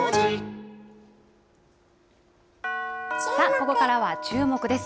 ここからはチューモク！です。